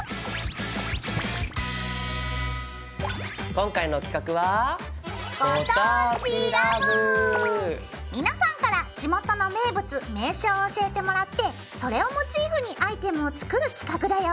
今回の企画は皆さんから地元の名物名所を教えてもらってそれをモチーフにアイテムを作る企画だよ！